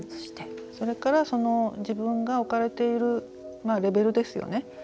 それから自分が置かれているレベルですよね。